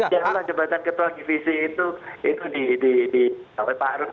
jadi kebetulan ketua divisi itu itu di di di pak arhut